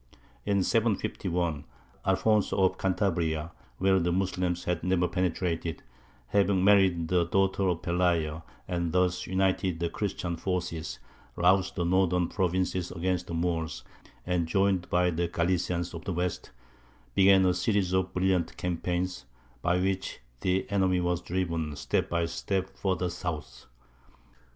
In 751 Alfonso of Cantabria (where the Moslems had never penetrated), having married the daughter of Pelayo and thus united the Christian forces, roused the northern provinces against the Moors, and, joined by the Galicians of the west, began a series of brilliant campaigns, by which the enemy was driven step by step further south.